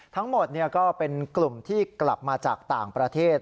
ทั้งหมดก็เป็นกลุ่มที่กลับมาจากต่างประเทศ